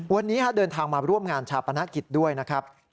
วันนี้เดินทางมาร่วมงานชาปนกิจด้วยนะครับ